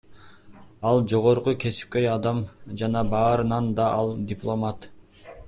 Ал — жогорку кесипкөй адам, жана барынан да ал дипломат.